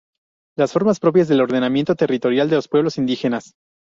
Las formas propias de ordenamiento territorial de los pueblos indígenas.